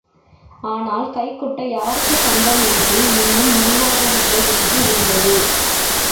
ஆனால் கைக்குட்டை யாருக்குச் சொந்தம் என்று இன்னும் முடிவாகவில்லை என்று இருந்தது.